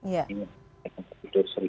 yang tidur satu lima ratus